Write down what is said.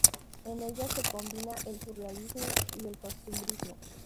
En ellas se combina el surrealismo y el costumbrismo.